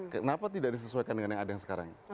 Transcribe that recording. kenapa tidak disesuaikan dengan yang ada yang sekarang